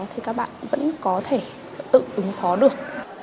thì các bạn vẫn có thể tự ứng phó được